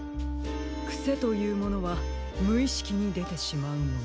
くせというものはむいしきにでてしまうもの。